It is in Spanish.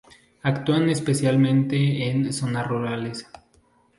Actúan especialmente en zonas rurales.